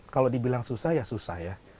kalau dibilang susah ya susah ya